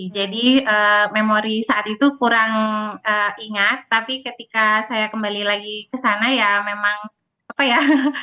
jadi memori saat itu kurang ingat tapi ketika saya kembali lagi kesana ya memang apa ya